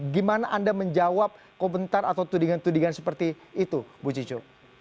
gimana anda menjawab komentar atau tudingan tudingan seperti itu bu cicu